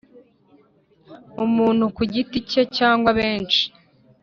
Umuntu ku giti cye cyangwa benshi